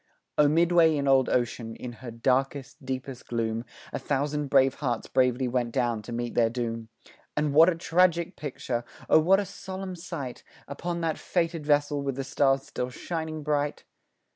O midway in old ocean, in her darkest, deepest gloom, A thousand brave hearts bravely went down to meet their doom, And what a tragic picture! Oh, what a solemn sight Upon that fated vessel with the stars still shining bright!